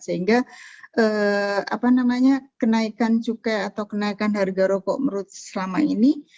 sehingga kenaikan cukai atau kenaikan harga rokok menurut selama ini